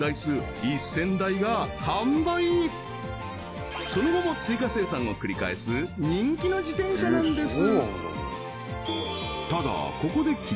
そしてその後も追加生産を繰り返す人気の自転車なんです